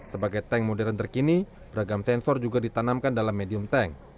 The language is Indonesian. sebagai tank modern terkini beragam sensor juga ditanamkan dalam medium tank